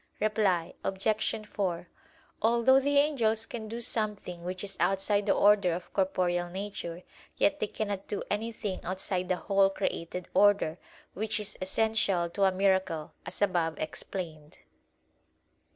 Reply Obj. 4: Although the angels can do something which is outside the order of corporeal nature, yet they cannot do anything outside the whole created order, which is essential to a miracle, as above explained.